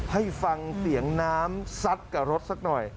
ให้ฟังเสียงน้ำซัดกับรถสักหน่อย